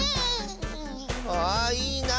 あいいな。